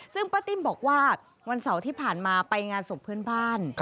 ซึ่งป้าติ้มบอกว่าวันเสาร์ที่ผ่านมาไปงานศพเพื่อนบ้าน